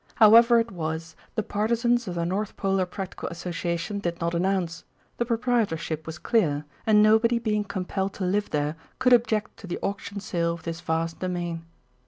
However it was the partisans of the North Polar Practical Association did not announce; the proprietorship was clear, and nobody being compelled to live there could object to the auction sale of this vast domain.